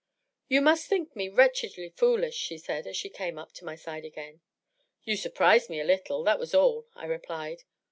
" You must think me wretchedly foolish," she said, as she came up to my side again. " You surprised me a little ; that was all," I replied.